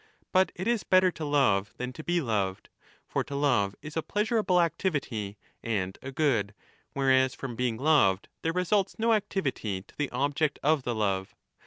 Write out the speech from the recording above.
But it is better to love than to be loved. For to love is a pleasurable Ictivity and a good, whereas from being loved there results o activity to the object of the love.